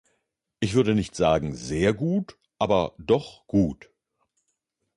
Ich würde nicht sagen, sehr gut, aber doch gut.